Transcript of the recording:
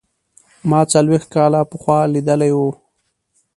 ما څلوېښت کاله پخوا لیدلی و.